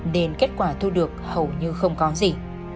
nên kết quả thu được hầu như không có gì